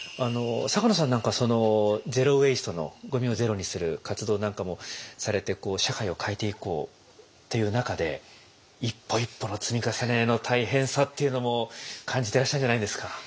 坂野さんなんか「ゼロ・ウェイスト」のゴミをゼロにする活動なんかもされて社会を変えていこうっていう中で一歩一歩の積み重ねの大変さっていうのも感じてらっしゃるんじゃないですか。